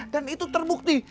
dan itu terbukti